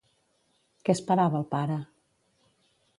Què esperava el pare?